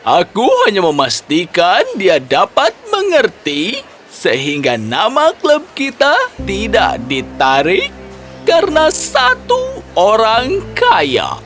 aku hanya memastikan dia dapat mengerti sehingga nama klub kita tidak ditarik karena satu orang kaya